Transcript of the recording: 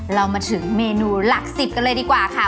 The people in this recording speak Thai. เรามาถึงเมนูหลัก๑๐กันเลยดีกว่าค่ะ